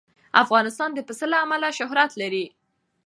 افغانستان د پسه له امله شهرت لري.